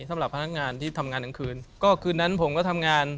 สำหรับพนักงานที่ทำงานกลางคืนก็คืนนั้นผมก็ทำงาน